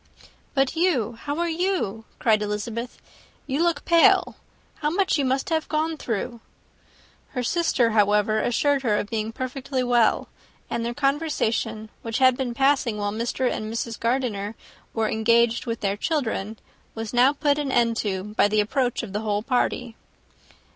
"But you how are you?" cried Elizabeth. "You look pale. How much you must have gone through!" Her sister, however, assured her of her being perfectly well; and their conversation, which had been passing while Mr. and Mrs. Gardiner were engaged with their children, was now put an end to by the approach of the whole party.